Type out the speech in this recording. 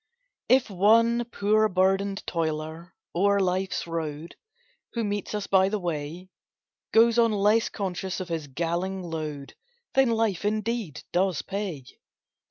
If one poor burdened toiler o'er life's road, Who meets us by the way, Goes on less conscious of his galling load, Then life, indeed, does pay.